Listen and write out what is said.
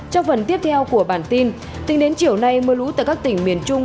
trong phần tiếp theo của bản tin tính đến chiều nay mưa lũ tại các tỉnh miền trung